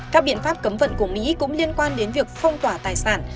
các biện pháp cấm vận của mỹ cũng liên quan đến việc phong tỏa tài sản